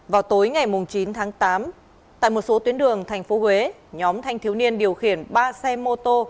vào tối ngày chín tháng tám tại một số tuyến đường tp huế nhóm thanh thiếu niên điều khiển ba xe mô tô